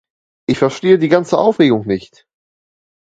Ich verstehe die ganze Aufregung nicht.